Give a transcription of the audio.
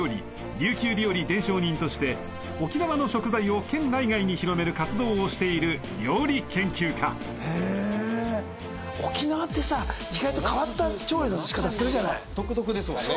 琉球料理伝承人として沖縄の食材を県内外に広める活動をしているへえー沖縄ってさ意外と変わった調理のしかたするじゃない独特ですもんね